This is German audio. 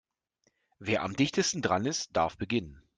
Wer am dichtesten dran ist, darf beginnen.